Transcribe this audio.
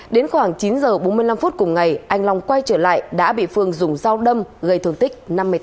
đến khoảng chín h bốn mươi năm phút cùng ngày anh long quay trở lại đã bị phương dùng dao đâm gây thương tích năm mươi tám